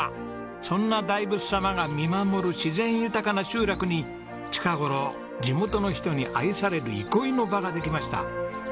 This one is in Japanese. そんな大仏様が見守る自然豊かな集落に近頃地元の人に愛される憩いの場ができました。